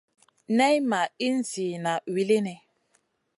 Nay ma ihn ziyna wulini.